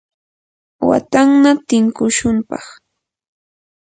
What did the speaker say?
watanna tinkushunpaq.